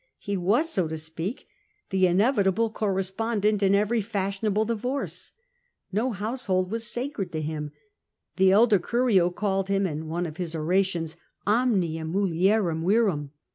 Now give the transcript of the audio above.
He was, so to speak, the inevitable co respondent in every fashionable divorce; no household was sacred to him ; the elder Curio called him in one of his orations, omnium mulierum virum."